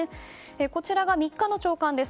こちらが３日の朝刊です。